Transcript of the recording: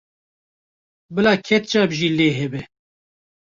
Bila ketçap jî lê hebe.